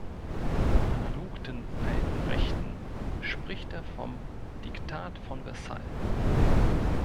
Analog den „alten Rechten“ spricht er vom "„Diktat von Versailles“".